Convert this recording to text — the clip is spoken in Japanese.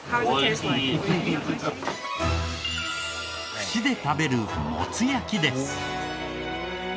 串で食べるもつ焼きです。